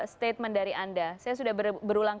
statement dari anda saya sudah berulang